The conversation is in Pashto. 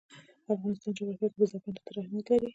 د افغانستان جغرافیه کې بزګان ستر اهمیت لري.